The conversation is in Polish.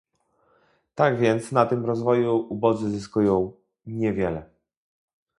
Tak więc na tym rozwoju ubodzy zyskują niewiele